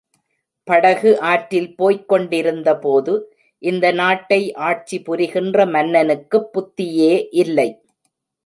படகு ஆற்றில் போய்க் கொண்டிருந்தபோது, இந்த நாட்டை ஆட்சி புரிகின்ற மன்னனுக்குப் புத்தியே இல்லை.